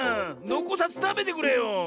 のこさずたべてくれよ。